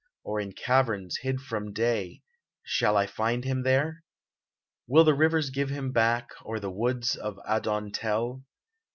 Or in caverns hid from day, — Shall I find him there ? Will the rivers give him back. Or the woods of Adon tell